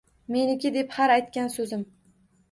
Meniki, deb har aytgan so‘zim.